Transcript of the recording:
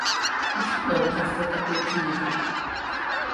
У чым наватарства такой кнігі?